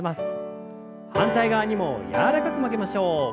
反対側にも柔らかく曲げましょう。